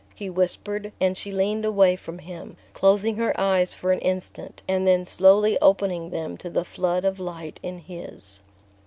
he whispered; and she leaned away from him, closing her eyes for an instant, and then slowly opening them to the flood of light in his.